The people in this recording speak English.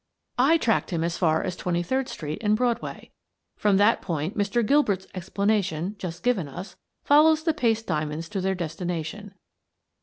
I tracked him as far as Twenty third Street and Broadway. From that point, Mr. Gil bert's explanation, just given us, follows the paste diamonds to their destination.